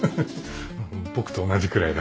僕と同じくらいだ。